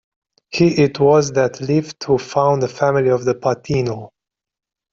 He it was that lived to found the family of the Patino.